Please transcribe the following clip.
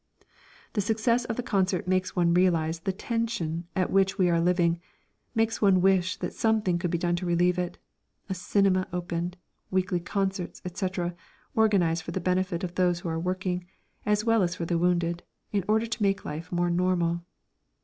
The success of the concert makes one realise the tension at which we are living, makes one wish that something could be done to relieve it a cinema opened, weekly concerts, etc., organised for the benefit of those who are working, as well as for the wounded, in order to make life more normal.